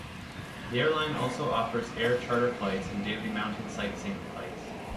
The airline also offers air charter flights and daily mountain sightseeing flights.